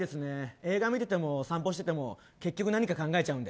映画見てても、散歩してても何か考えちゃうので。